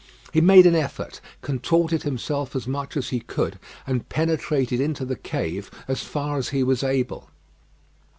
He made an effort, contorted himself as much as he could, and penetrated into the cave as far as he was able.